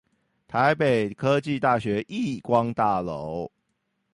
台北科技大學億光大樓